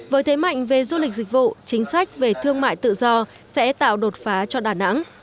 với thế mạnh về du lịch dịch vụ chính sách về thương mại tự do sẽ tạo đột phá cho đà nẵng